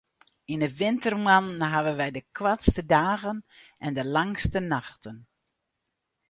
Yn 'e wintermoannen hawwe wy de koartste dagen en de langste nachten.